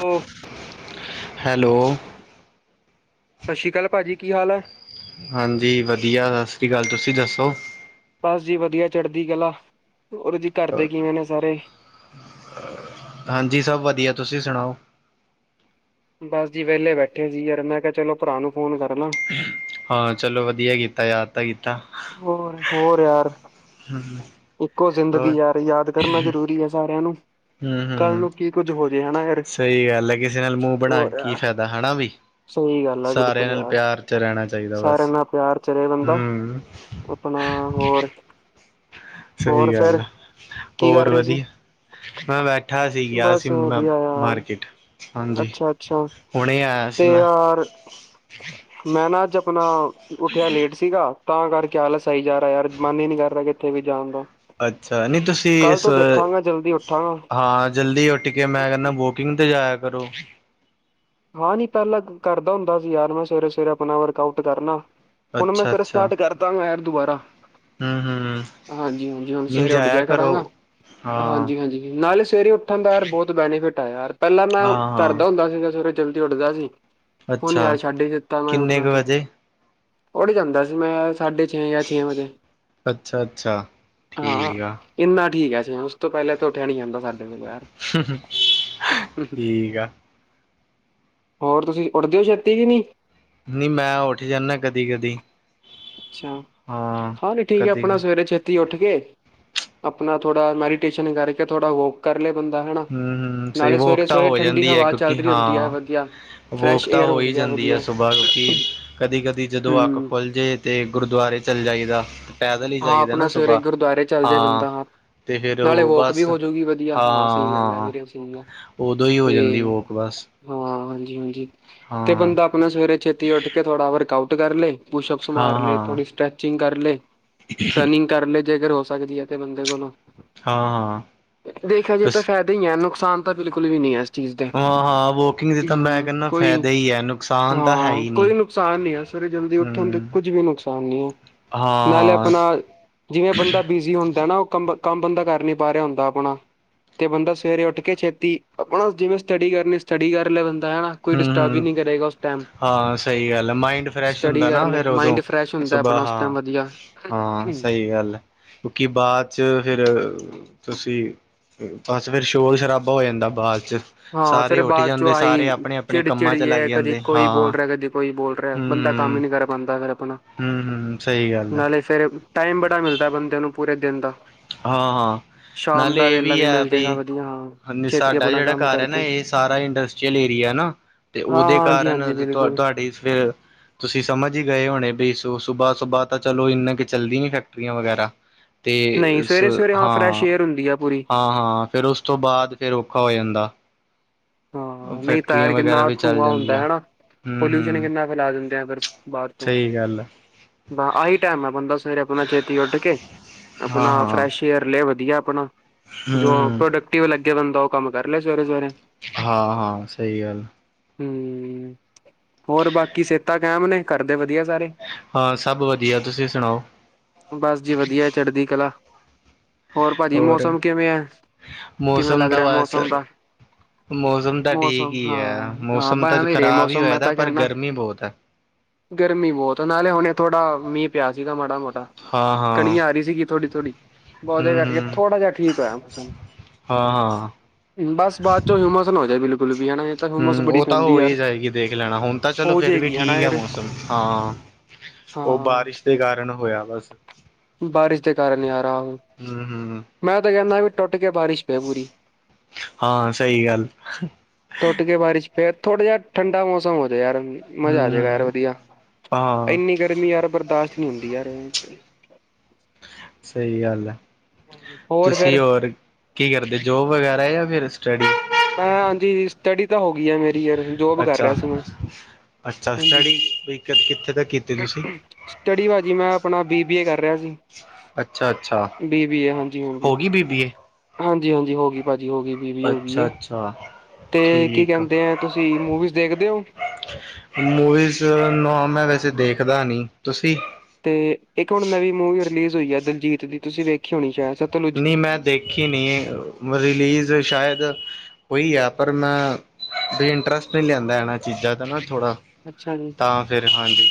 ਹੂੰ। ਹੈਲੋ। ਸਤਿ ਸ਼੍ਰੀ ਅਕਾਲ ਭਾਜੀ ਕੀ ਹਾਲ ਹੈ? ਹਾਂਜੀ ਵਧੀਆ, ਸਤਿ ਸ਼੍ਰੀ ਅਕਾਲ ਤੁਸੀਂ ਦੱਸੋ। ਬਸ ਜੀ ਵਧੀਆ ਚੜ੍ਹਦੀ ਕਲਾ, ਹੋਰ ਜੀ ਘਰਦੇ ਕਿਵੇਂ ਨੇ ਸਾਰੇ। ਹਾਂਜੀ ਸਭ ਵਧੀਆ ਤੁਸੀਂ ਸੁਣਾਓ। ਬਸ ਜੀ ਵਿਹਲੇ ਬੈਠੇ ਸੀ ਯਾਰ ਮੈਂ ਕਿਹਾ ਚਲੋ ਭਰਾ ਨੂੰ ਫੋਨ ਕਰਲਾਂ। ਹਾਂ, ਚਲੋ ਵਧੀਆ ਕੀਤਾ ਯਾਰ। ਪਤਾ ਕੀਤਾ। ਹੋਰ ਹੋਰ ਯਾਰ। ਹੂੰ। ਇੱਕੋ ਜ਼ਿੰਦਗੀ ਯਾਰ ਯਾਦ ਕਰਨਾ ਜ਼ਰੂਰੀ ਹੈ ਸਾਰਿਆਂ ਨੂੰ। ਹੂੰ, ਕੱਲ ਹੂੰ, ਨੂੰ ਕੀ ਕੁੱਝ ਹੋ ਜੇ ਹਨਾ ਯਾਰ ਸਹੀ ਗੱਲ ਹੈ ਕਿਸੇ ਨਾਲ ਮੂੰਹ ਬਣਾ ਕੇ ਹੋਰ ਕੀ ਯਾਰ ਫਾਇਦਾ ਹਨਾਂ ਵੀ। ਸਹੀ ਗੱਲ ਆ ਸਾਰਿਆਂ ਬਿਲਕੁਲ ਨਾਲ ਯਾਰ ਪਿਆਰ ਚ ਰਹਿਣਾ ਚਾਹੀਦਾ ਸਾਰਿਆਂ ਬਸ, ਨਾਲ ਪਿਆਰ ਚ ਰਹੇ ਬੰਦਾ ਹੂੰ। ਆਪਣਾ ਹੋਰ। ਹੋਰ ਸਹੀ ਫਿਰ ਗੱਲ ਆ ਕੀ ਹੋਰ ਕਰ ਰਹੇ ਸੀ ਵਧੀਆ। ਮੈਂ ਬੈਠਾ ਸੀ ਗਿਆ ਸੀ ਬਸ ਮੈਂ ਵਧੀਆ ਯਾਰ ਮਾਰਕੀਟ। ਹਾਂਜੀ ਅੱਛਾ-ਅੱਛਾ, ਹੁਣੇ ਆਇਆ ਸੀ ਤੇ ਮੈਂ ਯਾਰ ਮੈਂ ਨਾ ਅੱਜ ਆਪਣਾ ਉੱਠਿਆ ਲੇਟ ਸੀਗਾ ਤਾਂ ਕਰਕੇ ਅਲਾਸ ਆ ਜਾ ਰਿਹਾ ਯਾਰ ਮਨ ਹੀ ਨਹੀਂ ਕਰ ਰਿਹਾ ਕਿੱਥੇ ਵੀ ਜਾਣ ਦਾ। ਅੱਛਾ, ਨਹੀਂ ਤੁਸੀਂ ਕੱਲ ਇਸ, ਤੋਂ ਦੇਖਾਂਗਾ ਜਲਦੀ ਉੱਠਾਂਗਾ ਹਾਂ ਜਲਦੀ ਉੱਠ ਕੇ ਮੈਂ ਕਹਿੰਦਾ ਵੋਕਿੰਗ ਤੇ ਜਾਇਆ ਕਰੋ। ਹਾਂ ਨੀ ਪਹਿਲਾਂ ਕਰਦਾ ਹੁੰਦਾ ਸੀ ਯਾਰ ਮੈਂ ਸਵੇਰੇ ਸਵੇਰੇ ਆਪਣਾ ਵਰਕ ਆਊਟ ਕਰਨਾ। ਹੁਣ ਮੈਂ ਅੱਛਾ ਫਿਰ ਅੱਛਾ ਸਟਾਰਟ ਕਰਦਾਗਾ ਯਾਰ ਦੁਬਾਰਾ ਹੂੰ ਹੂੰ ਹਾਂਜੀ- ਹਾਂਜੀ, ਹੁਣ ਨਹੀਂ ਸਵੇਰੇ ਉੱਠ ਜਾਇਆ ਕਰੋ ਕਰਾਂਗਾ। ਹਾਂ ਹਾਂਜੀ-ਹਾਂਜੀ ਨਾਲੇ ਸਵੇਰੇ ਉੱਠਣ ਦਾ ਯਾਰ ਬਹੁਤ ਬੈਨੀਫਿਟ ਹੈ ਯਾਰ, ਪਹਿਲਾਂ ਮੈਂ ਹਾਂ ਕਰਦਾ ਹਾਂ ਹੁੰਦਾ ਸੀਗਾ ਸਵੇਰੇ ਜਲਦੀ ਉਡਦਾ ਸੀ। ਹੁਣ ਅੱਛਾ ਯਾਰ ਛੱਡ ਹੀ ਦਿੱਤਾ ਮੈਂ ਕਿੰਨੇ ਉਠਣਾ, ਕੁ ਵਜੇ ਉਠ ਜਾਂਦਾ ਸੀ ਮੈਂ ਸਾਢੇ ਛੇ ਜਾਂ ਛੇ ਵਜੇ, ਅੱਛਾ ਅੱਛਾ ਹਾਂ। ਠੀਕ ਆ ਇੰਨਾ ਠੀਕ ਹੈ, ਉਸ ਤੋਂ ਪਹਿਲਾ ਤਾਂ ਉਠਿਆ ਨਹੀ ਜਾਂਦਾ ਸਾਡੇ ਕੋਲ ਬਰ ਠੀਕ ਆ। ਹੋਰ ਤੁਸੀ ਉੱਠਦੇ ਹੋ ਛੇਤੀ ਕਿ ਨਹੀ? ਨਹੀਂ ਮੈਂ ਉੱਠ ਜਾਂਦਾ ਕਦੀ ਕਦੀ ਅੱਛਾ, ਹਾਂ ਨੀ ਠੀਕ ਹੈ ਕਦੀ ਆਪਣਾ ਹਮ ਸਵੇਰੇ ਛੇਤੀ ਛੇਤੀ ਉਠ ਕੇ, ਆਪਣਾ ਥੋੜਾ ਮੈਡੀਟੇਸ਼ਨ ਕਰਕੇ ਥੋੜਾ ਉਹ ਕਰਲੇ ਬੰਦਾ ਹਨਾ, ਹਮ ਸਹੀ ਨਾਲੇ ਵੋਕ ਤਾਂ ਸਵੇਰੇ-ਸਵੇਰੇ ਹੋ ਠੰਡੀ ਹਵਾ ਚੱਲ ਰਹੀ ਹੁਦੀ ਹੈ, ਵਧੀਆ। ਵਾਕ ਫਰੈਸ਼ ਤਾਂ ਏਅਰ ਹੋ ਹੀ ਹੁੰਦੀ ਆ ਜਾਂਦੀ ਹੈ ਵਧੀਆ ਸੁਬਾਹ ਉੱਠ ਕੇ ਕਦੀ-ਕਦੀ ਜਦੋਂ ਅੱਖ ਹਮ ਖੁਲ ਜੇ ਤੇ ਗੁਰਦੁਆਰੇ ਚਲੇ ਜਾਈਦਾ ਪੈਦਲ ਹੀ ਹਾਂ, ਜਾਈਦਾ ਨਾ ਆਪਣਾ ਸਵੇਰੇ ਸੁਬਾਹ ਗੁਰਦੁਆਰੇ ਚੱਲ ਜੇ ਹਾਂ ਬੰਦਾ। ਤੇ ਫਿਰ ਨਾਲੇ ਉਹ ਵੋਕ ਵੀ ਬਸ ਹਾਂ ਹੋਜੂਗੀ ਵਧੀਆ ਹਾਂ ਅਸੀ ਗੱਲ ਹੈ ਹਾਂ ਉਦੋਂ ਹੀ ਹੋ ਜਾਂਦੀ ਤੇ ਵੋਕ ਬਸ ਹਾਂ, ਹਾਂਜੀ- ਹਾਂਜੀ, ਤੇ ਹਾਂ ਬੰਦਾ ਆਪਣਾ ਸਵੇਰੇ ਛੇਤੀ ਉੱਠ ਕੇ ਥੋੜਾ ਵਰਕ ਆਊਟ ਕਰ ਲਏ। ਪੁਸ਼ ਅਪਸ ਹਾਂ ਮਾਰ ਲਏ ਹਾਂ ਥੋੜ੍ਹੀ ਸਟਰੈਚਿਗ ਕਰ ਲਏ ਰਨਿਗ ਕਰ ਲਏ, ਜੇਕਰ ਹੋ ਸਕਦੀ ਹੈ ਤੇ ਬੰਦੇ ਕੋਲੋਂ, ਹਾਂ ਹਾਂ ਦੇਖਿਆ ਜੇ ਤਾਂ ਤੁਸ ਫਾਇਦਾ ਹੀ ਹੈ, ਨੁਕਸਾਨ ਤਾਂ ਬਿਲਕੁਲ ਵੀ ਨੀ ਹੈ। ਚੀਜ਼ ਦੇ, ਹਾਂ ਹਾਂ ਵੋਕਿੰਗ ਦੇ ਤਾਂ ਮੈਂ ਹਾਂ ਕਹਿੰਦਾ ਕੋਈ, ਫਾਇਦਾ ਹੀ ਹੈ ਨੁਕਸਾਨ ਤਾਂ ਹੈ ਹਾਂ ਹੀ ਨਹੀਂ ਕੋਈ ਨੁਕਸਾਨ ਨਹੀ ਅ ਸਵੇਰੇ ਜਲਦੀ ਉਠਣ ਤੇ ਹਮ ਕੁੱਝ ਵੀ ਨੁਕਸਾਨ ਨੀ ਹੈ। ਹਾਂ- ਨਾਲੇ ਹਾਂ- ਆਪਣਾ ਜਿਵੇ ਬੰਦਾ ਬਿਜੀ ਹੁੰਦਾ ਨਾ, ਉਹ ਕੰਮ- ਕੰਮ ਬੰਦਾ ਕਰ ਨੀ ਪਾ ਰਿਹਾ ਹੁੰਦਾ ਆਪਣਾ ਤੇ ਬੰਦਾ ਸਵੇਰੇ ਉਠ ਕੇ ਛੇਤੀ ਆਪਣਾ ਜਿਵੇ ਸਟਡੀ ਕਰਨੀ ਸਟਡੀ ਕਰ ਲਿਆ ਬੰਦਾ ਹੈਨਾ। ਹੂ ਹੂ ਹਾਂ ਸਹੀ ਗੱਲ ਹੈ। ਮਾਇਡ ਫਰੈਸ਼ ਸਟੱਡੀ ਹੁੰਦਾ ਕਰ ਨਾ ਲੈ ਫੇਰ ਉਦੋ ਮਾਇੰਡ ਫਰੈਸ਼ ਹੁੰਦਾ ਸੁਬਾਹ ਆਪਣਾ ਉਸ ਟਾਈਮ ਹਾਂ- ਵਧੀਆ। ਹਾਂ ਸਹੀ ਸਹੀ ਗਲ ਐ, ਕਿਉਕਿ ਬਾਅਦ ਚ ਫਿਰ ਤੁਸੀ ਬਸ ਫਿਰ ਸ਼ੋਰ ਸ਼ਰਾਬਾ ਹੋ ਜਾਂਦਾ ਬਾਆਦ ''ਚ- ਹਾਂ ਸਾਰੇ ਫਿਰ ਉੱਠ ਬਾਅਦ ਚੋ ਜਾਂਦੇ ਸਾਰੇ ਆਹੀ ਆਪਣੇ ਆਪਣੇ ਚਿੜ ਕੰਮਾਂ ਚ ਚਿੜੀ ਲੱਗ ਹੈ। ਕਦੇ ਜਾਂਦੇ ਕੋਈ ਬੋਲ ਹਾਂ ਰਿਹਾ ਕਦੇ ਕੋਈ ਬੋਲ ਰਿਹਾ, ਬੰਦਾ ਕਮ ਹੀ ਨਹੀਂ ਕਰ ਪਾਉਦਾ ਫਿਰ ਆਪਣਾ ਹੂ ਹੂ ਸਹੀ ਗੱਲ ਆ ਨਾਲੇ ਫਿਰ ਟਾਈਮ ਬੜਾ ਮਿਲਦਾ ਬੰਦੇ ਨੂੰ, ਪੂਰੇ ਦਿਨ ਦਾ ਹਾਂ- ਹਾਂ ਸ਼ਾਮ ਨਾਲੇ ਦਾ ਇਹ ਵੇਲਾ ਵੀ ਹੈ ਮਿਲ ਜਾਏਗਾ ਬਈ, ਵਧੀਆ ਹਾਂ। ਛੇਤੀ ਸਾਡਾ ਆਪਣਾ ਜਿਹੜਾ ਕੰਮ ਘਾਰ ਹੈਨਾ, ਕਰਕੇ ਇਹ ਸਾਰਾ ਇੰਡਸਟਰੀਅਲ ਏਰੀਆ ਨਾ, ਤੇ ਹਾਂ ਉਹਦੇ ਹਾਂਜੀ ਹਾਂਜੀ ਕਾਰਨ ਬਿਲਕੁਲ। ਤੁਹਾਡੀ ਫਿਰ ਤੁਸੀਂ ਸਮਝ ਹੀ ਗਏ ਹੋਣੇ, ਬ ਸੁਬਾਹ- ਸੁਬਾਹ ਤਾਂ ਚਲੋ ਇਨਾ ਕੁ ਚੱਲਦੀ ਨ ਫੈਕਟਰੀਆਂ ਵਗੈਰਾ ਤੇ ਨਹੀਂ ਸਵੇਰੇ ਸਵੇਰੇ ਫਰੈਸ਼ ਹਾਂ- ਏਅਰ ਹੁੰਦੀ ਆ ਪੂਰੀ ਹਾਂ- ਹਾਂ ਫਿਰ ਉਸ ਤੋਂ ਬਾਅਦ, ਫਿਰ ਔਖਾ ਹੋ ਜਾਂਦਾ। ਹਾਂ ਨਹੀ ਤਾਇਰ ਫੈਕਟਰੀਆਂ ਵਗੈਰਾ ਕਿਨਾ ਵੀ ਚੱਲ ਧੂੰਆਂ ਹੁਦਾ ਜਾਂਦੀਆਂ ਹੈ। ਹੂੰ ਪੋਲਿਊਸ਼ਨ ਹੂੰ ਕਿਨਾ ਫੈਲਾ ਦਿਦੇ ਆ ਫਿਰ ਬਾਹਰ ਤੋਂ, ਸਹੀ ਗੱਲ ਹੈ ਬ ਆਹੀ ਟਾਈਮ ਆ ਬੰਦਾ ਫਿਰ ਆਪਣਾ ਛੇਤੀ ਉਠ ਕੇ ਹਾਂ ਆਪਣਾ ਹਾਂ ਫਰੈਸ਼ ਏਅਰ ਲੈ ਵਧੀਆ ਆਪਣਾ ਹੂੰ ਜੋ ਹੂੰ ਪ੍ਰੋਡਕਟਿਵ ਲਗੇ, ਬੰਦਾ ਉਹ ਕਮ ਕਰ ਲਿਆ ਸਵੇਰੇ- ਸਵੇਰੇ ਹਾਂ- ਹਾਂ ਸਹੀ ਗੱਲ- ਹੂ, ਹੋਰ ਬਾਕੀ ਸਿਹਤਾਂ ਕਾਇਮ ਨੇ, ਘਰ ਦੇ ਵਧੀਆ ਸਾਰੇ। ਹਾਂ ਸਭ ਵਧੀਆ, ਤੁਸੀ ਸੁਣਾਓ ਬਸ ਜੀ ਵਧੀਆ, ਚੜ੍ਹਦੀ ਕਲਾ ਹੋਰ ਭਾਜੀ ਮੌਸਮ ਕਿਵੇ ਹੈ, ਕਿਵੇ ਮੌਸਮ ਲਗ ਦਾ ਰਿਹਾ ਬਸ ਮੌਸਮ ਦਾ ਮੌਸਮ ਤਾਂ ਠੀਕ ਮੌਸਮ ਹੀ ਹੈ, ਹਾਂ ਹਾਂ ਮੌਸਮ ਤਾਂ ਭਾਵੇਂ ਰੇ ਖਰਾਬ ਹੀ ਮੌਸਮ ਹੋਇਆ ਮੈਂ ਦਾ, ਤਾਂ ਪਰ ਕਹਿੰਦਾ ਗਰਮੀ ਬਹੁਤ ਹੈ। ਗਰਮੀ ਬਹੁਤ ਐ, ਨਾਲੇ ਹੁਣੇ ਥੋੜਾ ਮੀਹ ਪਿਆ ਸੀਗਾ ਮਾੜਾ- ਮਾੜਾ ਹਾਂ ਕਣੀ ਹਾਂ ਆ ਰਹੀ ਸੀਗੀ ਥੋੜੀ ਥੋੜੀ। ਉਹਦੇ ਹੂੰ ਕਰਕੇ, ਹੂੰ ਥੋੜਾ ਜਿਹਾ ਠੀਕ ਹੋਇਆ ਮੌਸਮ। ਹਾਂ ਹਾਂ ਬਸ ਬਾਅਦ ਚੋਂ, ਹੂਮਸ ਨਾ ਹੋ ਜਾਏ ਬਿਲਕੁਲ। ਵੀ ਹਨਾ ਇਹ ਤਾਂ ਹਿਊਮਸ ਹੁੰ, ਬੜੀ ਉਹ ਤਾਂ ਪੈਂਦੀ ਹੋ ਯਾਰ ਹੀ ਜਾਏਗੀ ਦੇਖ ਲੈਣਾ, ਹੁਣ ਤਾਂ ਚਲੋ ਹੋ ਫੇਰ ਵੀ ਜਾਏਗੀ ਹਨਾ ਠੀਕ ਐ ਯਾਰ ਮੌਸਮ, ਹਾਂ। ਉਹ ਹਾਂ ਬਾਰਿਸ਼ ਦੇ ਕਾਰਨ ਹੋਆ ਬਸ। ਬਾਰਿਸ਼ ਦੇ ਕਾਰਨ ਯਾਰ ਆਹੋ ਹੁੰ, ਹੁੰ, ਹੁੰ। ਮੈਂ ਤੇ ਕਹਿਣਾ, ਵੀ ਟੁੱਟ ਕੇ ਬਾਰਿਸ਼ ਪਏ ਪੂਰੀ ਹਾਂ ਸਹੀ ਗੱਲ ਟੁੱਟ ਕੇ ਬਾਰਸ਼ ਪੇ, ਥੋੜਾ ਜਿਹਾ ਠੰਡਾ ਮੌਸਮ ਹੋ ਜਾ ਯਾਰ। ਮਜ਼ਾ ਹੂੰ ਆ ਜਾਏਗਾ ਯਾਰ ਹੂੰ ਵਧੀਆ, ਹਾਂ ਇੰਨੀ ਗਰਮੀ ਯਾਰ ਬਰਦਾਸ਼ਤ ਨਹੀਂ ਹੁੰਦੀ ਯਾਰ ਇਹ ਚ ਸਹੀ ਗੱਲ ਐ, ਹਾਂਜੀ ਹੋਰ ਤੁਸੀਂ ਫਿਰ ਹੋਰ ਕੀ ਕਰਦੇ ਜੋਬ ਵਗੈਰਾ, ਜਾਂ ਫੇਰ ਸਟੱਡੀ? ਮੈਂ ਹਾਂਜੀ, ਸਟੱਡੀ ਤਾਂ ਹੋ ਗਈ ਆ ਮੇਰੀ ਯਾਰ, ਜੋਬ ਕਰ ਅੱਛਾ ਰਿਹਾ ਸੀ ਮੈਂ ਅੱਛਾ ਹਾਂਜੀ, ਸਟੱਡੀ ਵੀ ਕਿੱਥੇ ਤੱਕ ਕੀਤੀ ਤੁਸੀਂ ਸਟਡੀ ਭਾਜੀ ਮੈਂ ਆਪਣਾ ਬੀ-ਬੀ-ਏ ਕਰ ਰਿਹਾ ਸੀ। ਅੱਛਾ ਅੱਛਾ ਬੀ-ਬੀ-ਏ ਹਾਂਜੀ ਹੋ ਗੀ, ਗਈ ਬੀ ਬੀ ਏ ਹਾਂਜੀ-ਹਾਂਜੀ ਹੋ ਗੀ ਭਾਜੀ ਹੋ ਗਈ। ਬੀ ਬੀ ਏ ਹੋ ਗਈ ਹੈ ਅੱਛਾ-ਅੱਛਾ। ਤੇ ਕੀ ਕਹਿੰਦੇ ਆ, ਤੁਸੀਂ ਮੂਵੀਜ਼ ਦੇਖਦੇ ਹੋ? ਮੂਵੀਜ਼, ਨਾ ਮੈਂ ਵੈਸੇ ਦੇਖਦਾ ਨੀ, ਤੁਸੀਂ? ਤੇ ਇੱਕ ਹੁਣ ਨਵੀਂ ਮੂਵੀ ਰਿਲੀਜ਼ ਹੋਈ ਆ ਦਲਜੀਤ ਦੀ ਤੁਸੀਂ ਵੇਖੀ ਹੋਣੀ ਸ਼ਾਇਦ ਸ ਨੀਂ ਮੈਂ ਦੇਖੀ ਨਈਂ, ਰਲੀਜ਼ ਸ਼ਾਇਦ ਹੋਈ ਆ ਪਰ ਮੈਂ ਵੀ ਇੰਟਰਸਟ ਨਈਂ ਲਿਆਂਦਾ ਇਹਨਾਂ ਚੀਜ਼ਾਂ ਦਾ ਨਾ ਥੋੜਾ ਅੱਛਾ ਜੀ। ਫੇਰ ਹਾਂਜੀ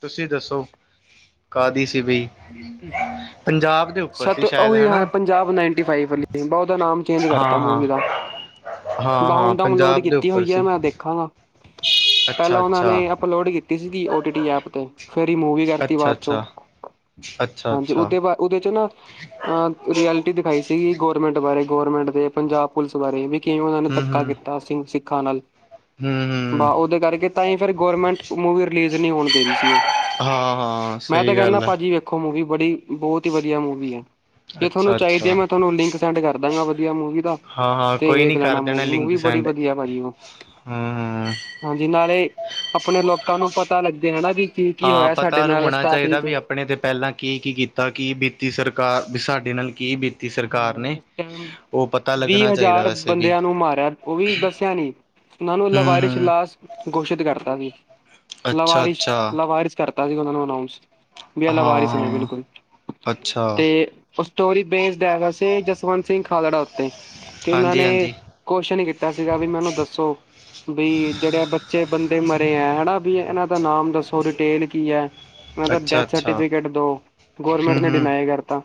ਤੁਸੀਂ ਦੱਸੋ ਕਾਹਦੀ ਸੀ ਬਈ [unintelligible] ਪੰਜਾਬ ਦੇ ਉੱਪਰ ਸਤ ਸੀ ਉਹ ਸ਼ਾਇਦ ਹਨਾ ਪੰਜਾਬ ਨਾਈਨਟੀ ਫਾਈਵ ਵਾਲੀ ਬਾ ਉਹਦਾ ਨਾਮ ਚੇਂਜ ਹਾਂ ਕਰਤਾ ਮੂਵੀ ਦਾ। ਹਾਂ ਹਾਂ ਬਾ ਹਾਂ ਹੁਣ ਡਾਊਨਲੋਡ ਪੰਜਾਬ ਦੇ ਕੀਤੀ ਉੱਪਰ ਹੋਈ ਐਂ, ਸੀ ਮੈਂ ਦੇਖ ਹਾਂ, ਪਹਿਲਾਂ ਅੱਛਾ ਉਹਨਾਂ ਅੱਛਾ ਨੇਂ ਅਪਲੋਡ ਕੀਤੀ ਸੀਗੀ ਓ-ਟੀ-ਟੀ ਐਪ ਤੇ। ਫੇਰ ਰਿਮੂਵ ਵੀ ਕਰਤੀ ਅੱਛਾ ਬਾਦ ਚੋਂ। ਅੱਛਾ ਅੱਛਾ, ਹਾਂਜੀ ਅੱਛਾ। ਉਹਦੇ ਬਾ ਉਹਦੇ ਚ ਨਾਂ ਅਹ ਰਐਲਿਟੀ ਦਿਖਾਈ ਸੀ। ਸੀਗੀ ਗੋਰਮੈਂਟ ਬਾਰੇ, ਗੋਰਮੈਂਟ ਦੇ ਪੰਜਾਬ ਪੁਲਿਸ ਬਾਰੇ ਵੀ ਕਿਵੇਂ ਉਹਨਾਂ ਨੇਂ ਧੱਕਾ ਕੀਤਾ ਸੀ ਸਿੱਖਾਂ ਨਾਲ। ਹਂ ਵ ਉਹਦੇ ਕਰਕੇ ਤਾਂਹੀ ਫੇਰ ਗੌਰਮੈਂਟ ਮੁਵ ਰਿਲੀਜ਼ ਨ੍ਹੀਂ ਹੋਣ ਦੇ ਰਹੀ ਸੀ ਉਹ, ਹਾਂ ਹਾਂ ਮੈਂ ਤਾਂ ਸਹੀ ਕਹਿਣਾ ਗੱਲ ਹੈ ਵੇਖੋ ਮੂਵੀ ਬੜੀ, ਬਹੁਤ ਹੀ ਵਧੀਆ ਮੂਵੀ ਐ। ਜੇ ਤੁਹਾਨੂੰ ਅੱਛਾ ਚਾਹੀਦੀ ਐ ਅੱਛਾ ਮੈਂ ਤੁਹਾਨੂੰ ਲਿੰਕ ਸੈਂਡ ਕਰ ਦਾਂਗਾ, ਵਧੀਆ ਮੂਵੀ ਦਾ ਹਾਂ-ਹਾਂ ਤੇ ਕੋਈ ਵੇਖ ਨੀ ਲੈਣਾ ਕਰ ਮੂਵੀ ਮੂਵੀ ਬੜੀ ਵਧੀਆ ਪਾਜੀ ਉਹ। ਹਂ ਹਾਂਜੀ, ਨਾਲੇ ਆਪਣੇ ਲੋਕਾਂ ਨੂੰ ਪਤਾ ਲੱਗਦੇ ਹਨਾਂ ਵੀ ਕੀ ਕੀ ਹਾਂ ਹੋਇਆ ਸਾਡੇ ਪਤਾ ਨਾਲ ਰ ਹੋਣਾ ਸਟਾਰਟਿੰਗ ਚਾਹੀਦਾ ਚ ਵੀ ਆਪਣੇ ਤੇ ਪਹਿਲਾਂ ਕੀ-ਕੀ ਕੀਤਾ ਕਿ ਬੀਤੀ ਸਰਕਾਰ ਵੀ ਸਾਡੇ ਨਾਲ ਕੀ ਬੀ ਸਰਕਾਰ ਨੇ ਹਾਂ ਟਾਈਮ ਉਹ ਪਤਾ ਵੀਹ ਲੱਗਣਾ ਚਾਹੀਦਾ ਹਜ਼ਾਰ ਵੈਸੇ ਵੀ। ਬੰਦਿਆਂ ਨੂੰ ਮਾਰਿਆ ਉਹ ਵੀ ਦੱਸਿਆ ਨੀ ਉਹਨਾਂ ਨੂੰ ਲਵਾਰਿਸ਼ ਹੂੰ-ਹੂੰ ਲਾਸ਼ ਘੋਸ਼ਿਤ ਕਰਤਾ ਸੀ, ਲਵਾਰਿਸ਼ ਅੱਛਾ-ਅੱਛਾ ਲਵਾਰਸ਼ ਕਰਤਾ ਸੀ ਉਹਨਾਂ ਨੂੰ ਅਨਾਊਂਸ ਵੀ ਇਹ ਲਵਾਰਿਸ ਨੇਂ ਹਾਂ-ਹਾਂ ਬਿਲਕੁਲ, ਅੱਛਾ ਤੇ ਉਹ ਸਟੋਰੀ ਬੇਸਡ ਹੇਗਾ ਸੀ, ਜਸਵੰਤ ਸਿੰਘ ਖਾਲੜਾ ਉੱਤੇ, ਤੇ ਉਹਨਾਂ ਨੇਂ ਹਾਂਜੀ-ਹਾਂਜੀ ਕੁਛ ਨਈ ਕੀਤਾ ਸੀਗਾ, ਵੀ ਮੈਨੂੰ ਦੱਸੋ ਬਈ ਜਿਹੜੇ ਬੱਚੇ ਬੰਦੇ ਮਰੇ ਐ ਹਨਾਂ ਵੀ ਇਹਨਾਂ ਦਾ ਨਾਮ ਦੱਸੋ? ਡਿਟੇਲ ਕੀ ਐ? ਉਹਨਾਂ ਦਾ ਡੈਥ ਅੱਛਾ-ਅੱਛਾ ਸਰਟੀਫਿਕੇਟ ਦੋ, ਗੌਰਮੈਂਟ ਨੇ ਹੂੰ-ਹੂੰ ਡਿਨਾਈ ਕਰਤਾ,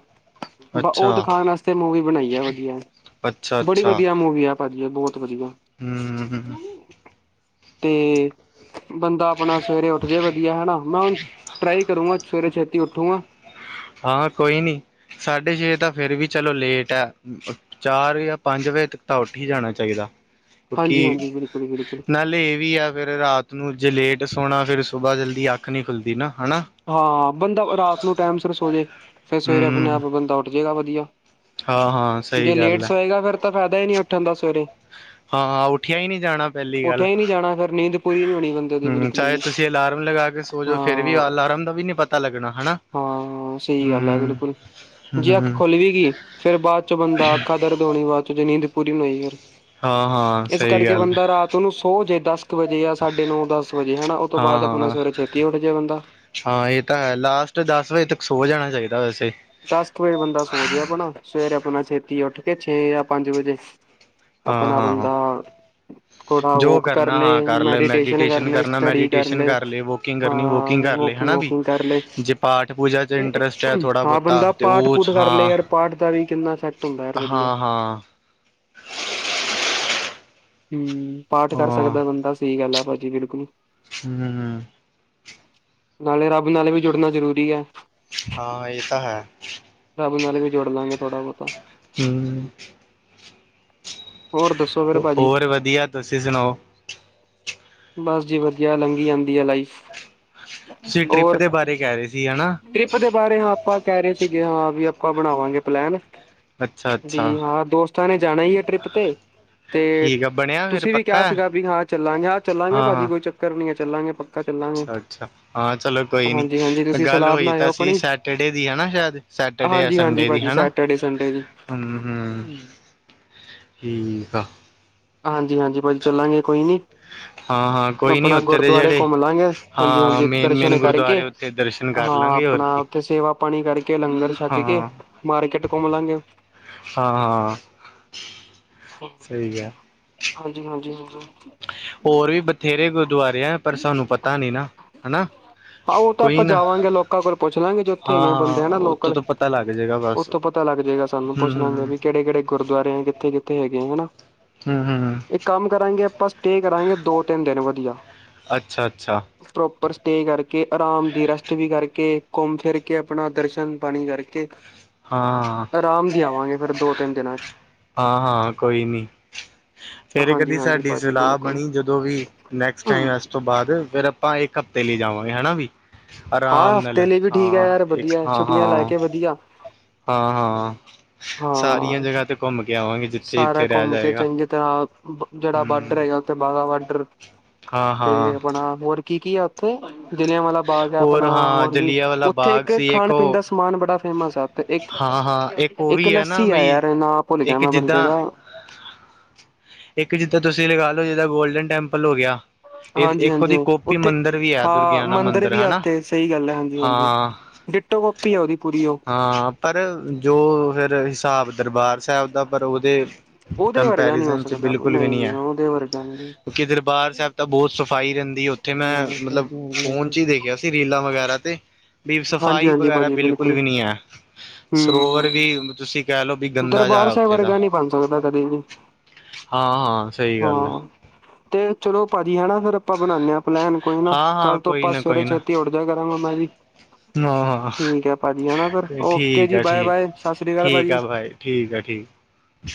ਬਾ ਅੱਛਾ ਉਹ ਅੱਛਾ-ਅੱਛਾ ਹੂੰ ਹੂੰ ਅੱਛਾ ਖਾਣ ਵਸਤੇ ਮੂਵੀ ਬਣਾਈ ਆ ਵਧੀਆ, ਅੱਛਾ ਬੜੀ ਵਧੀਆ ਮੂਵੀ ਆ ਪਾਜੀ ਬਹੁਤ ਵਧੀਆ। ਹਂ, ਹਂ। ਤੇ ਬੰਦਾ ਆਪਣਾ ਸਵੇਰੇ ਉੱਠ ਜੇ ਵਧੀਆ ਹੈਨਾਂ, ਮੈਂ ਹੁਣ ਟਰਾਈ ਕਰੂੰਗਾ ਸਵੇਰੇ ਛੇਤੀ ਉੱਠੂੰਗਾ। ਹਾਂ, ਕੋਈ ਨੀ ਸਾਢੇ ਛੇ ਤਾਂ ਫੇਰ ਵੀ ਚਲੋ ਲੇਟ ਐ। ਚਾਰ ਜਾਂ ਪੰਜ ਵਜੇ ਤੱਕ ਤਾਂ ਉੱਠ ਈ ਜਾਣਾ ਚਾਹੀਦਾ। ਕਿ ਹਾਂਜੀ ਹਾਂਜੀ ਬਿਲਕੁਲ ਬਿਲਕੁਲ ਨਾਲੇ ਇਹ ਵੀ ਆ ਫਿਰ ਰਾਤ ਨੂੰ ਜੇ ਲੇਟ ਸੋਣਾ ਫੇਿਰ ਸੁਬਾਹ ਜਲਦੀ ਅੱਖ ਨੀਂ ਖੁੱਲਦੀ ਨਾਂ ਹਨਾਂ ਹਾਂ, ਬੰਦਾ ਫਿਰ ਰਾਤ ਨੂੰ ਟਾਈਮ ਸਿਰ ਸੋ ਜੇ, ਫਿਰ ਸਵੇਰੇ ਆਪਣੇ ਹੂੰ ਆਪ ਬੰਦਾ ਉੱਠ ਜੇਗਾ ਵਧੀਆ। ਹਾਂ-ਹਾਂ ਜੇ ਸਹੀ ਲੇਟ ਗੱਲ ਐ ਸੋਏਗਾ ਫੇਰ ਤਾਂ ਫਾਇਦਾ ਈ ਨਈਂ ਉੱਠਣ ਦਾ ਸਵੇਰੇ ਹਾਂ, ਹਾਂ ਉੱਠਿਆ ਈ ਨਈਂ ਜਾਣਾ ਪਹਿਲੀ ਗੱਲ ਉੱਠਿਆ ਹੀ ਨਹੀਂ [unintelligible] ਜਾਣਾ ਫਿਰ ਨੀਂਦ ਪੂਰੀ ਨਹੀਂ ਹੋਣੀ ਬੰਦੇ ਦੀ ਹਂ, ਬਿਲਕੁਲ ਚਾਹੇ ਵੀ ਤੁਸੀਂ ਅਲਾਰਮ ਲਗਾ ਕੇ ਸੋ ਜੋ ਹਾਂ ਫੇਰ ਵੀ ਅਲਾਰਮ ਦਾ ਵੀ ਨਈਂ ਪਤਾ ਲੱਗਣਾ ਹੈਨਾਂ ਹਾਂ ਸਹੀ ਗੱਲ ਐ, ਬਿਲਕੁਲ ਜੇ ਅੱਖ ਹੂੰ ਖੁੱਲ ਵੀ ਗਈ ਫੇਰ ਬਾਅਦ ਚੋਂ ਬੰਦਾ ਆਖ ਦਰਦ ਹੋਣੀ ਬਾਦ ਚ ਜੇ ਨੀਂਦ ਪੂਰੀ ਨਾ ਹੋਈ ਫਿਰ ਹਾਂ, ਹਾਂ ਇਸ ਕਰਕੇ ਬੰਦਾ ਰਾਤ ਨੂੰ ਸੌ ਜੇ ਦਸ ਕੁ ਵਜੇ ਜਾਂ ਸਾਡੇ ਨੌਂ ਦਸ ਵਜੇ ਹਨਾਂ ਉਹ ਤੋਂ ਬਾਅਦ ਆਪਣਾ ਹਾਂ-ਹਾਂ। ਸਵੇਰੇ ਛੇਤੀ ਜੇ ਉੱਠ ਜੇ ਬੰਦਾ ਹਾਂ ਇਹ ਤਾਂ ਹੈ ਲਾਸਟ ਦਸ ਵਜੇ ਤੱਕ ਸੋ ਜਾਣਾ ਚਾਈਦਾ ਵੈਸੇ ਦਸ ਕੁ ਵਜੇ ਬੰਦਾ ਸੋਜੇ ਆਪਣਾ, ਸਵੇਰੇ ਆਪਣਾ ਛੇਤੀ ਉੱਠ ਕੇ ਛੇ ਜਾਂ ਪੰਜ ਵਜੇ ਆਪਣਾ ਹਾਂ-ਹਾਂ। ਬੰਦਾ ਥੋੜਾ ਜੋ ਵੋਕ ਕਰ ਕਰਨਾ ਲੈ, ਹਾਂ ਲੈ ਮੈਡੀਟੇਸ਼ਨ ਕਰ ਲੈ, ਕਰਨਾ ਸਟਡੀ ਕਰ ਮੈਡੀਟੇਸ਼ਨ ਲੈ। ਲਏ ਵੋਕਿੰਗ ਕਰਨੀ ਹਾਂ ਵੋਕਿੰਗ ਕਰ ਲਏ ਹਨਾ ਵੀ। ਵਾਕਿੰਗ ਕਰ ਲੇ ਜੇ ਪਾਠ ਪੂਜਾ ਚ ਇੰਟਰਸਟ ਹੈ ਥੋੜਾ ਹਾਂ, ਬਹੁਤਾ ਬੰਦਾ ਤੇ ਪਾਠ ਉਹ ਚ ਪੂਠ ਕਰ ਲਏ ਹਾਂ ਯਾਰ ਪਾਠ ਦਾ ਵੀ ਕਿੰਨਾ ਇਫੈਕਟ ਹੁੰਦਾ ਯਾਰ ਵਧੀਆ ਹਾਂ ਹਾਂ ਪਾਠ ਕਰ ਹਾਂ ਸਕਦਾ ਬੰਦਾ ਸਹੀ ਗੱਲ ਆ ਭਾਜੀ ਬਿਲਕੁਲ। ਹੂੰ। ਨਾਲੇ ਰੱਬ ਨਾਲੇ ਵੀ ਜੁੜਨਾ ਜਰੂਰੀ ਹੈ। ਹਾਂ ਇਹ ਤਾਂ ਹੈ ਰੱਬ ਨਾਲੇ ਵੀ ਜੁੜ ਲਵਾਂਗੇ ਥੋੜਾ ਬਹੁਤਾ ਹੂੰ, ਹੋਰ ਦੱਸੋ ਫਿਰ ਭਾਜੀ ਹੋਰ ਵਧੀਆ ਤੁਸੀਂ ਸੁਣਾਓ ਬਸ ਜੀ ਵਧੀਆ ਲੰਘੀ ਜਾਂਦੀ ਆ ਲਾਈਫ, ਤੁਸੀਂ ਟ੍ਰਿਪ ਹੋਰ। ਦੇ ਬਾਰੇ ਕਹਿ ਰਹੇ ਸੀ ਹਨਾ ਟ੍ਰਿਪ ਦੇ ਬਾਰੇ ਹਾਂ ਆਪਾਂ ਕਹਿ ਰਹੇ ਸੀਗੇ ਹਾਂ ਵੀ ਆਪਾਂ ਬਣਾਵਾਂਗੇ ਪਲੈਨ ਅੱਛਾ ਵੀ ਅੱਛਾ ਹਾਂ ਦੋਸਤਾਂ ਨੇ ਜਾਣਾ ਹੀ ਹੈ ਟ੍ਰਿਪ ਤੇ, ਤੇ ਠੀਕ ਆ ਬਣਿਆ ਫਿਰ ਤੁਸੀਂ ਵੀ ਕਿਹਾ ਪੱਕਾ ਹੈ ਸੀਗਾ ਵੀ ਹਾਂ ਚੱਲਾਂਗੇ ਹਾਂ ਚੱਲਾਂਗੇ ਭਾਜੀ ਕੋਈ ਚੱਕ ਕਰਨੀ ਏ ਚੱਲਾਂਗੇ ਪਕਾ ਅੱਛਾ-ਅੱਛਾ, ਹਾਂ ਚਲੋ ਕੋਈ ਨੀ ਹਾਂਜੀ-ਹਾਂਜੀ ਤੁਸੀਂ ਗੱਲ ਸਲਾਹ ਹੋਈ ਬਣਾਇਓ ਤਾਂ ਸੀ ਆਪਣੀ ਸੈਟਰਡੇ ਦੀ ਹਾਂ ਸ਼ਾਇਦ ਸੈਟਰਡੇ ਆ ਹਾਂਜੀ-ਹਾਂਜੀ ਸੰਡੇ ਦੀ ਭਾਜੀ ਹੈਨਾ, ਸੈਟਰਡੇ ਸੰਡੇ ਦੀ। ਹੂੰ-ਹੂੰ ਹੂੰ, ਠੀਕ ਆ ਹਾਂਜੀ-ਹਾਂਜੀ, ਭਾਜੀ ਚੱਲਾਂਗੇ ਕੋਈ ਨੀ। ਹਾਂ ਹਾਂ ਕੋਈ ਨੀ ਆਪਣਾ ਉੱਥੇ ਦੇ ਗੁਰਦੁਆਰੇ ਜਿਹੜੇ ਘੁੰਮ ਲਾਂਗੇ, ਹਾਂ ਹਾਂਜੀ-ਹਾਂਜੀ ਮੇਨ ਦਰਸ਼ਨ ਮੇਨ ਕਰਕੇ। ਗੁਰਦੁਆਰੇ ਉੱਥੇ ਦਰਸ਼ਨ ਕਰ ਹਾਂ, ਲਾਂਗੇ ਹੋਰ ਆਪਣਾ ਕੀ ਉੱਥੇ ਸੇਵਾ ਪਾਣੀ ਕਰਕੇ ਲੰਗਰ ਛੱਕ ਕੇ ਮਾਰਕੀਟ ਘੁੰਮ ਲਾਂਗੇ ਹਾਂ-ਹਾਂ, ਸਹੀ ਆ ਹਾਂਜੀ-ਹਾਂਜੀ-ਹਾਂਜੀ। ਹੋਰ ਵੀ ਬਥੇਰੇ ਗੁਰਦੁਆਰੇ ਹੈ ਪਰ ਸਾਨੂੰ ਪਤਾ ਨੀ ਨਾ ਹੈਨਾ। ਹਾਂ ਉਹ ਤਾਂ ਆਪਾਂ ਜਾਵਾਂਗੇ ਲੋਕਾਂ ਕੋਲ ਪੁੱਛ ਲਾਂਗੇ ਜੇ ਉੱਥੇ ਹਾਂ ਹੈਗੇ ਹਾਂ ਬੰਦੇ ਆ ਨਾ ਉੱਥੋਂ ਲੋਕਲ ਤੋਂ ਪਤਾ ਲੱਗ ਜਾਏਗਾ ਬਸ ਉੱਥੋਂ ਪਤਾ ਲੱਗਏਗਾ ਸਾਨੂੰ ਹਮ ਪੁੱਛਣਾਗੇ ਹਮ ਵੀ ਕਿਹੜੇ ਕਿਹੜੇ ਗੁਰਦੁਆਰੇ ਆ ਕਿੱਥੇ ਕਿ ਹੈਗੇ ਆ ਹੈਨਾ, ਹਮ ਹਮ ਇੱਕ ਕੰਮ ਕਰਾਂਗੇ ਆਪਾਂ ਸਟੇ ਕਰਾਂਗੇ ਦੋ ਤਿੰਨ ਦਿਨ ਵਧੀਆ। ਅੱਛਾ-ਅੱਛਾ ਪ੍ਰੋਪਰ ਸਟੇ ਕਰਕੇ ਆਰਾਮ ਦੀ ਰੈਸਟ ਵੀ ਕਰਕੇ ਘੁੰਮ ਫਿਰ ਕੇ ਆਪਣਾ ਦਰਸ਼ਨ ਪਾਣੀ ਕਰਕੇ। [inaudible] ਹਾਂ-ਹਾਂ, ਆਰਾਮ ਦੀ ਆਵਾਂਗੇ ਫਿਰ ਦੋ ਤਿੰਨ ਦਿਨਾਂ ਚ ਹਾਂ-ਹਾਂ ਕੋਈ ਨੀ। ਫੇਰ ਹਾਂਜੀ ਕਦੀ ਹਾਂਜੀ ਸਾਡੀ ਭਾਜੀ ਸਲਾਹ ਬਿਲਕੁਲ ਬਣੀ ਜਦੋਂ ਵੀ ਨੈਕਸਟ ਟਾਈਮ ਉਸ ਤੋਂ ਬਾਅਦ ਫੇਰ ਆਪਾਂ ਇੱਕ ਹਫ਼ਤੇ ਲਈ ਜਾਵਾਂਗੇ ਹੈਨਾ ਵੀ ਆਰਾਮ ਹਾਂ ਨਾਲ, ਹਫ਼ਤੇ ਲਈ ਵੀ ਠੀਕ ਹੈ ਹਾਂ ਯਾਰ ਇੱਕ ਵਧੀਆ ਹਾਂ ਛੁੱਟੀਆਂ ਲੈ ਹਾਂ। ਕੇ ਵਧੀਆ ਹਾਂ-ਹਾਂ, ਸਾਰੀਆਂ ਹਾਂ ਜਗ੍ਹਾ ਤੇ ਘੁੰਮ ਕੇ ਆਵਾਂਗੇ ਜਿੱਥੇ ਸਾਰਾ -ਜਿੱਥੇ ਰਹਿ ਘੁੰਮ ਕੇ ਜਾਏਗਾ। ਚੰਗੀ ਜਿਹੜਾ ਬਾਰਡਰ ਹੂੰ ਹੈਗਾ ਉੱਥੇ ਬਾਗਾ ਬਾਰਡਰ, ਤੇ ਹਾਂ-ਹਾਂ ਆਪਣਾ ਹੋਰ ਕੀ-ਕੀ ਆ ਉੱਥੇ? ਜਲ੍ਹਿਆਂਵਾਲਾ ਬਾਗ ਹੈ ਆਪਣਾ ਹੋਰ ਹਾਂ ਹੋਰ ਵੀ ਜਲਿਆ ਵਾਲਾ ਉੱਥੇ ਬਾਗ ਇੱਕ ਸੀ ਖਾਣ ਪੀਣ ਉਹ ਦਾ ਸਮਾਨ ਬੜਾ ਫੇਮਸ ਆ ਉਥੇ ਇੱਕ ਹਾਂ-ਹਾਂ, ਇਹ ਇੱਕ ਲੱਸੀ ਆ ਯਾਰ ਨਾ ਭੁੱਲ ਗਿਆ ਮੈਂ ਬੰਦੇ ਜਿੱਦਾਂ ਦਾ। ਇੱਕ ਜਿੱਥੇ ਤੁਸੀਂ ਲਗਾ ਲਓ ਜਿਹਾ ਗੋਲਡਨ ਟੈਂਪਲ ਹੋ ਗਿਆ। ਇਹ ਇੱਕ ਹਾਂਜੀ-ਹਾਂਜੀ, ਉਹਦੀ ਕੋਪੀ ਉੱਥੇ ਮੰਦਿਰ ਵੀ ਹੈ ਹਾਂ ਦੁਰਗਿਆਨਾ ਮੰਦਿਰ ਵੀ ਆ ਹਨਾ ਉੱਥੇ ਸਹੀ ਗੱਲ ਹੈ ਹਾਂਜੀ-ਹਾਂਜੀ ਹਾਂ ਡਿੱਟੋ ਕਾਪੀ ਆ ਉਹਦੀ ਪੂਰੀ ਉਹ ਹਾਂ ਪਰ ਜੋ ਫਿਰ ਹਿਸਾਬ ਦਰਬਾਰ ਸਾਹਿਬ ਦਾ ਪਰ ਉਹਦੇ ਉਹਦੇ ਵਰਗਾ ਨਹੀਂ ਹੋ ਕੰਪੈਰੀਜ਼ਨ 'ਚ ਸਕਦਾ ਬਿਲਕੁਲ ਵੀ ਨਹੀਂ ਨੀ ਨਹੀਂ ਹੈ, ਉਹਦੇ ਵਰਗਾ ਨਹੀਂ ਕਿੱਦਰ ਦਰਬਾਰ ਸਾਹਿਬ ਤਾਂ ਬਹੁਤ ਸਫ਼ਾਈ ਰਹਿੰਦੀ ਉੱਥੇ ਮੈਂ ਹੂੰ ਮਤਲਬ ਹਾਂਜੀ ਹਾਂਜੀ ਫੋਨ ਚ ਹੀ ਦੇਖਿਆ ਸੀ ਰੀਲਾਂ ਵਗੈਰਾ ਤੇ। ਵੀ ਹਾਂਜੀ ਸਫ਼ਾਈ ਹਾਂਜੀ ਵਗੈਰਾ ਭਾਜੀ ਬਿਲਕੁਲ ਵੀ ਨਹੀਂ ਹੈ। ਸਰੋਵਰ ਹੂੰ ਵੀ ਤੁਸੀਂ ਕਹਿ ਲੋਓ ਵੀ ਗੰਦਾ ਜਹਾ ਉੱਥੇ ਦਾ। ਹੋ ਤਾਂ ਕਦੇ ਨਹੀਂ ਹਾਂ -ਹਾਂ, ਸਹੀ ਗੱਲ ਹੈ। ਤੇ ਚਲੋ, ਭਾਜੀ ਹੈਨਾ ਫਿਰ ਆਪਾਂ ਬਣਾਦੇ ਹਾਂ ਪਲੈਨ, ਕੋਈ ਨਾ ਹਾਂ ਹਾਂ ਕੱਲ ਤੋਂ ਕੋਈ ਆਪਾਂ ਸਵੇਰੇ ਛੇਤੀ ਉੱਠ ਜਾ ਕਰਾਂਗਾ, ਮੈਂ ਵੀ ਫਿਰ ਹ ਓਕੇ ਠੀਕ ਜੀ ਆ, ਬਾਏ ਬਾਏ ਠੀਕ- ਸਤਿ ਸ੍ਰੀ ਅਕਾਲ ਠੀਕ ਭਾਜੀ। ਆ, ਭਾਈ ਠੀਕ ਹੈ ਠੀਕ